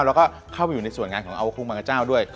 เราก็เข้าไปอยู่ในส่วนงานของอาวุธคุ้งบางกระเจ้าด้วย